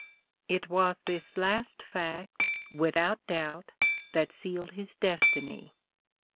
It was this last fact, without doubt, that sealed his destiny.